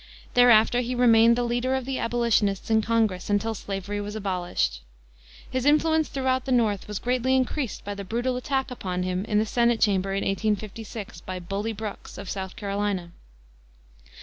Thereafter he remained the leader of the Abolitionists in Congress until slavery was abolished. His influence throughout the North was greatly increased by the brutal attack upon him in the Senate chamber in 1856 by "Bully Brooks" of South Carolina.